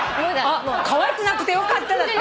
あっかわいくなくてよかっただって。